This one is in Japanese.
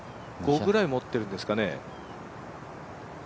５ぐらい持ってるんですかね？